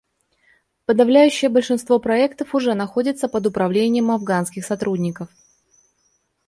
Подавляющее большинство проектов уже находится под управлением афганских сотрудников.